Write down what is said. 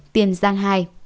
tiền giang hai